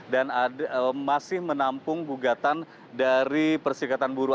dan masih menampung gugatan dari persyrikatan buruh